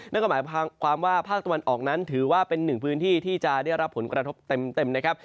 นั่นก็หมายความว่าภาคตะวันออกนั้นถือว่าเป็นหนึ่งพื้นที่ที่จะได้รับผลกระทบเต็มนะครับ